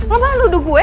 lo bakal duduk gue